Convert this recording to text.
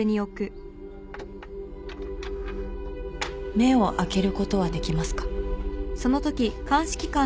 目を開けることはできますか？